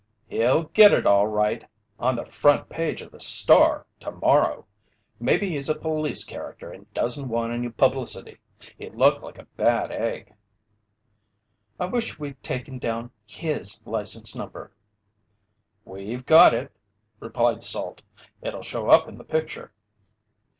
"He'll get it all right on the front page of the Star tomorrow! Maybe he's a police character and doesn't want any publicity. He looked like a bad egg." "I wish we'd taken down his license number." "We've got it," replied Salt. "It'll show up in the picture."